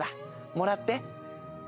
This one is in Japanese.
もらって。